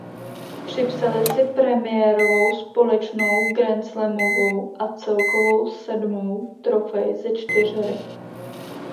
Připsaly si premiérovou společnou grandslamovou a celkovou sedmou trofej ze čtyřhry.